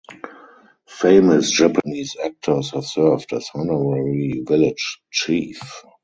Famous Japanese actors have served as honorary village chief.